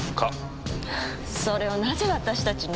それをなぜ私たちに？